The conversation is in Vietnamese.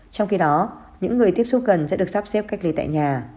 trong khi đó những người tiếp xúc gần sẽ được sắp xếp cách ly tại nhà